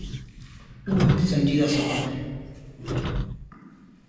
اهو هڪ سنجيده سوال آهي.